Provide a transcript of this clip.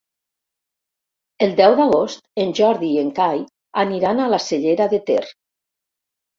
El deu d'agost en Jordi i en Cai aniran a la Cellera de Ter.